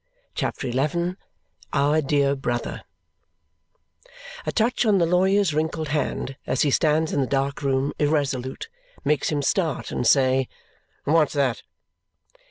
CHAPTER XI Our Dear Brother A touch on the lawyer's wrinkled hand as he stands in the dark room, irresolute, makes him start and say, "What's that?"